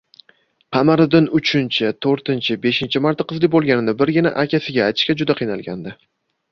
Qamariddin uchinchi, to‘rtinchi, beshinchi marta qizli bo‘lganini birgina akasiga aytishga juda qiynalgandi